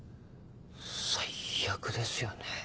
最悪ですよね